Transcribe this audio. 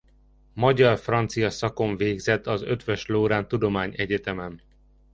Magyar–francia szakon végzett az Eötvös Loránd Tudományegyetemen.